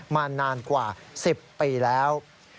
มานานกว่า๑๐ปีแล้ว